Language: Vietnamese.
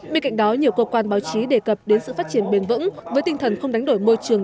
bên cạnh đó nhiều cơ quan báo chí đề cập đến sự phát triển bền vững với tinh thần không đánh đổi môi trường